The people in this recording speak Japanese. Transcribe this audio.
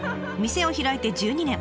店を開いて１２年。